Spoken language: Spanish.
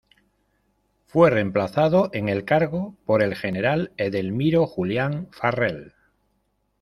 Fue reemplazado en el cargo por el General Edelmiro Julián Farrel.